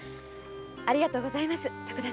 ありがとうございます徳田様。